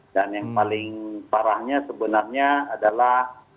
dan yang paling parahnya sebenarnya adalah